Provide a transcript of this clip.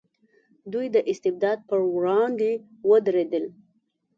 دوی د استبداد پر وړاندې ودرېدل.